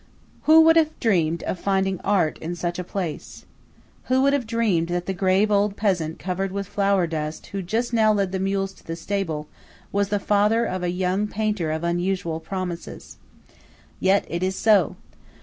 Who would have dreamed of finding Art in such a place? Who would have dreamed that the grave old peasant covered with flour dust who just now led the mules to the stable, was the father of a young painter of unusual promise? Yet it is so.